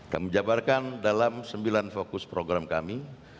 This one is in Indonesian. kami jabarkan dalam sembilan fokus program kami